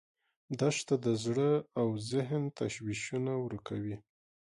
دښته د زړه او ذهن تشویشونه ورکوي.